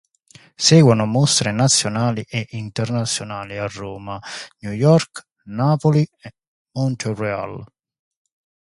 Seguono mostre nazionali e internazionali a Roma, New York, Napoli, Montréal.